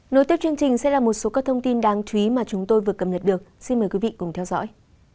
nối tiếp chương trình sẽ là một số các thông tin đáng chú ý mà chúng tôi vừa cập nhật được xin mời quý vị cùng theo dõi